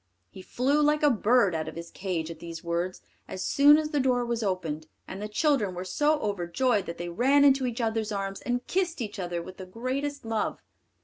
He flew like a bird out of his cage at these words as soon as the door was opened, and the children were so overjoyed that they ran into each other's arms, and kissed each other with the greatest love.